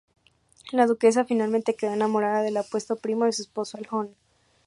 La duquesa, finalmente, quedó enamorada del apuesto primo de su esposo, el Hon.